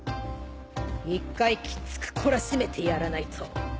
一回きつく懲らしめてやらないと。